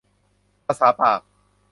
ภาษาปาก